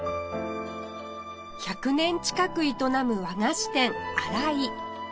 １００年近く営む和菓子店あら井